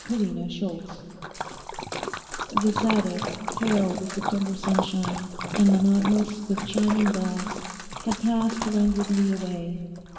CHAPTER EIGHT The Sabbath, pale with September sunshine, and monotonous with chiming bells, had passed languidly away.